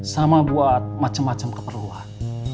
sama buat macem macem keperluan